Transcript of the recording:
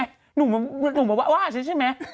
รู้ไหมหนุ่มวาว่าฉันใช่ไหม